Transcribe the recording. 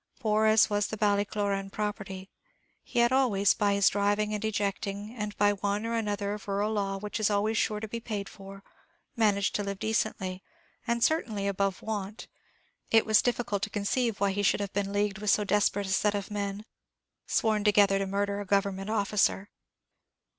Poor as was the Ballycloran property, he had always, by his driving and ejecting, and by one or another art of rural law which is always sure to be paid for, managed to live decently, and certainly above want: it was difficult to conceive why he should be leagued with so desperate a set of men, sworn together to murder a government officer.